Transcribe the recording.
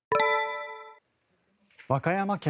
和歌山県